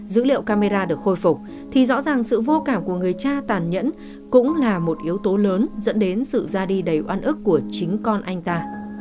dữ liệu camera được khôi phục thì rõ ràng sự vô cảm của người cha tàn nhẫn cũng là một yếu tố lớn dẫn đến sự ra đi đầy oan ức của chính con anh ta